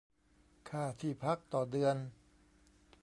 ค่าที่พัก ต่อเดือน